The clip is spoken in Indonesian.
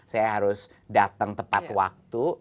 saya harus datang tepat waktu